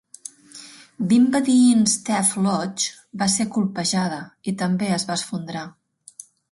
Bimbadeen Staff Lodge va ser colpejada, i també es va esfondrar.